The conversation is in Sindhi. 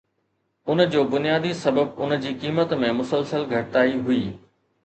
ان جو بنيادي سبب ان جي قيمت ۾ مسلسل گهٽتائي هئي